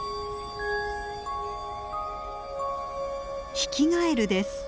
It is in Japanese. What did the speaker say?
ヒキガエルです。